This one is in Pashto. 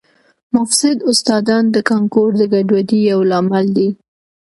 مفسد استادان د کانکور د ګډوډۍ یو لامل دي